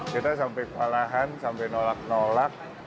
kita sampai kewalahan sampai nolak nolak